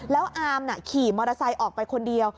แล้วอามขี่มอเตอร์ไซค์ออกไปคนเดียว